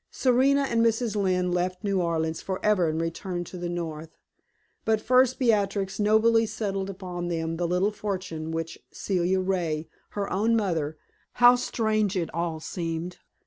Serena and Mrs. Lynne left New Orleans forever and returned to the North; but first Beatrix nobly settled upon them the little fortune which Celia Ray, her own mother how strange it all seemed!